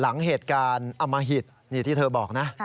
หลังเหตุการณ์อมหิตนี่ที่เธอบอกนะ